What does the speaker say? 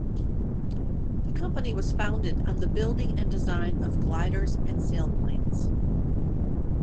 The company was founded on the building and design of gliders and sailplanes.